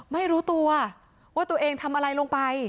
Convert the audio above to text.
ไม่รู้ตัวว่าตัวเองทำอะไรลงไป